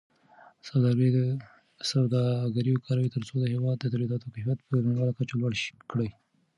سوداګري وکاروئ ترڅو د هېواد د تولیداتو کیفیت په نړیواله کچه لوړ کړئ.